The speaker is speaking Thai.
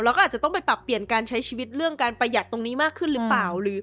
อาจจะต้องไปปรับเปลี่ยนการใช้ชีวิตเรื่องการประหยัดตรงนี้มากขึ้นหรือเปล่า